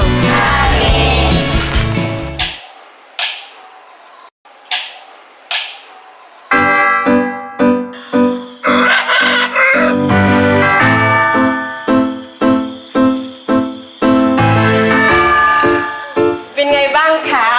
เป็นไงบ้างคะรู้สึกดีใจอ่ะได้พี่นมนะโอเคนะนุ่มไหมค่ะลูกนุ่มเนอะ